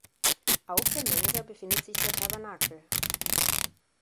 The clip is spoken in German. Auf der Mensa befindet sich der Tabernakel.